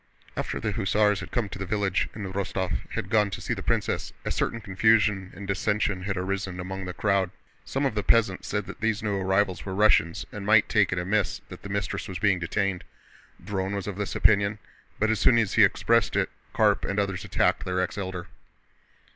After the hussars had come to the village and Rostóv had gone to see the princess, a certain confusion and dissension had arisen among the crowd. Some of the peasants said that these new arrivals were Russians and might take it amiss that the mistress was being detained. Dron was of this opinion, but as soon as he expressed it Karp and others attacked their ex Elder.